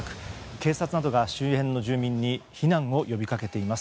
警察などが周辺の住人に避難を呼びかけています。